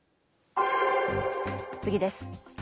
次です。